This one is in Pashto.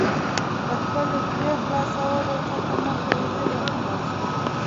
د خپلې خولې خلاصولو څخه مخکې ذهن خلاص کړه.